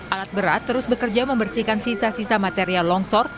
alat berat terus bekerja membersihkan sisa sisa material longsor